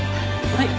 はい。